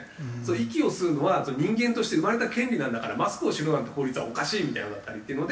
「息を吸うのは人間として生まれた権利なんだからマスクをしろなんて法律はおかしい」みたいなのだったりっていうので。